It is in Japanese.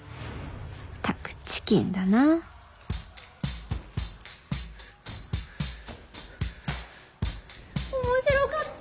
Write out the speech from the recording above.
ったくチキンだな面白かった！